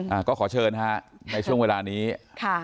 อ่าก็ขอเชิญฮะในช่วงเวลานี้ค่ะ